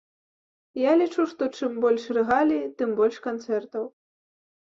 Я лічу, што чым больш рэгалій, тым больш канцэртаў.